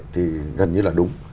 thì gần như là đúng